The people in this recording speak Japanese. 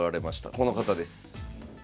この方です。